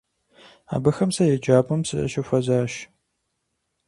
Абыхэм сэ еджапӏэм сащыхуэзащ.